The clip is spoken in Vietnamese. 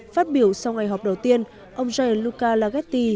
phát biểu sau ngày họp đầu tiên ông gianluca lagetti